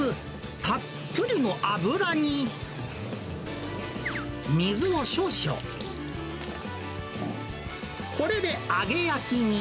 たっぷりの油に、水を少々、これで揚げ焼きに。